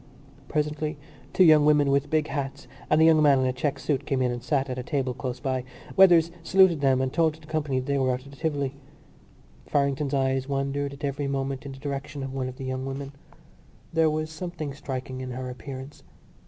Presently two young women with big hats and a young man in a check suit came in and sat at a table close by. Weathers saluted them and told the company that they were out of the Tivoli. Farrington's eyes wandered at every moment in the direction of one of the young women. There was something striking in her appearance.